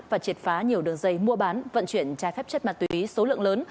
và triệt phá nhiều đường dây mua bán vận chuyển trái phép chất ma túy số lượng lớn